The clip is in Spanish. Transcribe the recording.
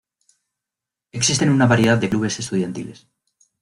Existen una variedad de clubes estudiantiles.